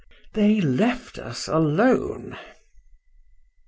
—They left us alone.